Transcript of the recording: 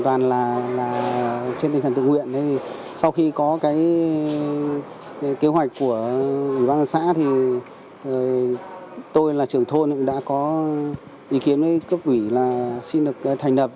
trên tinh thần tự nguyện sau khi có kế hoạch của bán an xã tôi là trưởng thôn đã có ý kiến với cấp quỷ là xin được thành lập